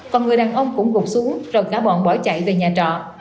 còn người đàn ông cũng gục xuống rồi cả bọn bỏ chạy về nhà trọ